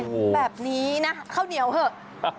แบบนี้นะข้าวเหนียวเถอะ